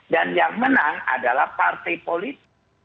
dan yang menang adalah partai politik